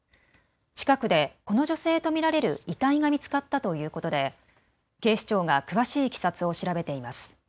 近くでこの女性と見られる遺体が見つかったということで警視庁が詳しいいきさつを調べています。